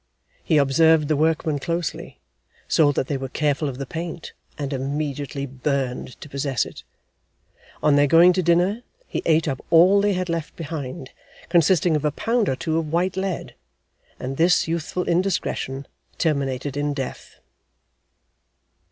He observed the workmen closely, saw that they were careful of the paint, and immediately burned to possess it. On their going to dinner, he ate up all they had left behind, consisting of a pound or two of white lead; and this youthful indiscretion terminated in death.